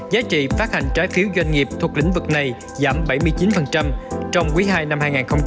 giá trị phát hành trái phiếu doanh nghiệp thuộc lĩnh vực này giảm bảy mươi chín trong quý ii năm hai nghìn hai mươi